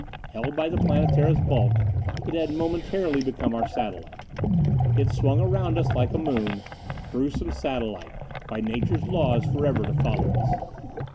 Held by the Planetara's bulk, it had momentarily become our satellite. It swung around us like a moon. Gruesome satellite, by nature's laws forever to follow us.